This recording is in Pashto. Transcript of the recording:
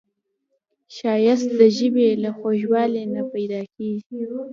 ښایست د ژبې له خوږوالي نه پیداکیږي